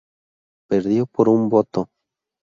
Perdió por un voto.